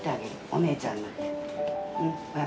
お姉ちゃんなんで。